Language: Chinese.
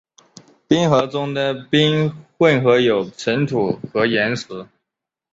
冰河中的冰混合有尘土和岩石。